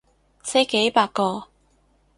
死百幾個